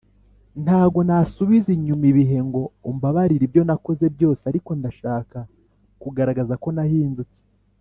Ntago nasubiza inyuma ibihe ngo umbabarire ibyo nakoze byose ariko ndashaka kugaragaza ko nahindutse